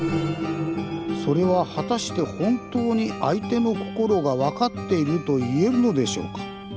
それは果たして本当に相手の心が分かっていると言えるのでしょうか。